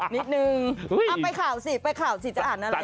นิดนึงไปข่าวสิจะอ่านอะไร